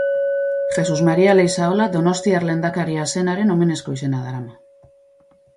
Jesus Maria Leizaola donostiar lehendakaria zenaren omenezko izena darama.